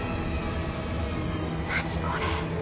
何これ？